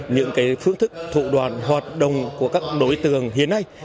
những cái phương thức thụ đoàn hoạt động của các đối tượng hiện nay